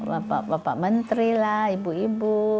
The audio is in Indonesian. bapak bapak menteri lah ibu ibu